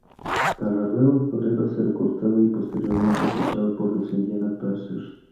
Para luego en Febrero ser cortado y posteriormente fichado por los Indiana Pacers